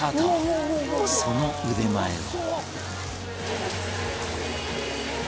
その腕前は？